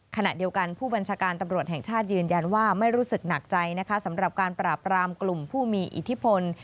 ขณะเดียวกันผู้บัญชาการตำรวจแห่งชาติยืนยันว่าไม่รู้สึกหนักใจนะคะสำหรับการปราบรามกลุ่มผู้มีอิทธิพล